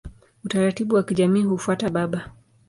Utaratibu wa kijamii hufuata baba.